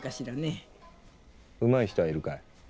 うまい人はいるかい？